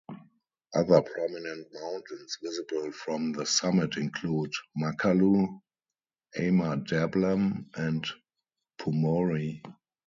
Other prominent mountains visible from the summit include Makalu, Ama Dablam and Pumori.